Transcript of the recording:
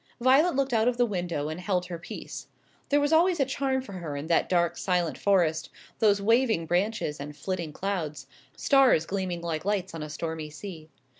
Violet looked out of the window and held her peace. There was always a charm for her in that dark silent forest, those waving branches and flitting clouds, stars gleaming like lights on a stormy sea.